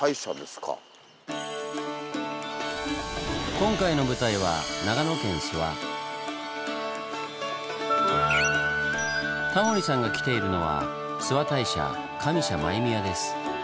今回の舞台はタモリさんが来ているのは諏訪大社上社前宮です。